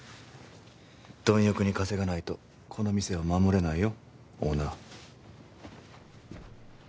貪欲に稼がないとこの店は守れないよオーナー。